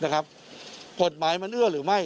กฎหมายมันเอื้อหรือไม่